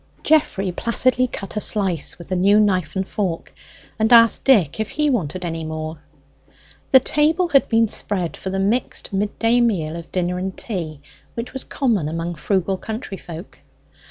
Geoffrey placidly cut a slice with the new knife and fork, and asked Dick if he wanted any more. The table had been spread for the mixed midday meal of dinner and tea, which was common among frugal countryfolk.